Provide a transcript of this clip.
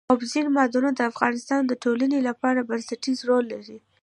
اوبزین معدنونه د افغانستان د ټولنې لپاره بنسټيز رول لري.